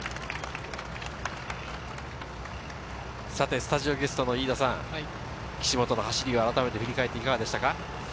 スタジオゲストの飯田さん、岸本の走りを振り返っていかがでしたか？